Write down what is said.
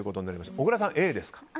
小倉さん、Ａですか。